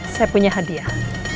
saya punya hadiah